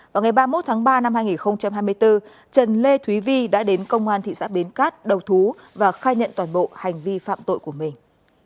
vào ngày ba mươi một tháng ba năm hai nghìn hai mươi bốn trần lê thúy vi đã đến công an thị xã bến cát đầu thú và khai nhận toàn bộ hành vi phạm tội của mình